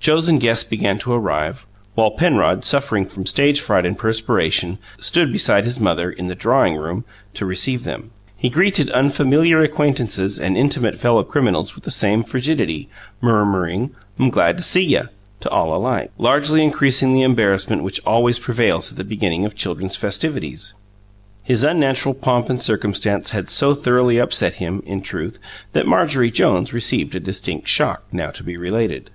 Chosen guests began to arrive, while Penrod, suffering from stage fright and perspiration, stood beside his mother, in the "drawing room," to receive them. He greeted unfamiliar acquaintances and intimate fellow criminals with the same frigidity, murmuring: "'M glad to see y'," to all alike, largely increasing the embarrassment which always prevails at the beginning of children's festivities. His unnatural pomp and circumstance had so thoroughly upset him, in truth, that Marjorie Jones received a distinct shock, now to be related.